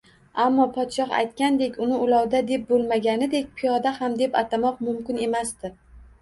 Ammo podshoh aytgandek uni ulovda deb bo`lmaganidek, piyoda ham deb atamoq mumkin emasdi